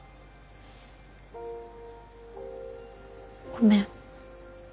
ごめん。